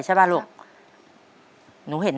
ใช่นักร้องบ้านนอก